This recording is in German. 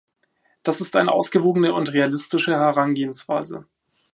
Das ist eine ausgewogene und realistische Herangehensweise.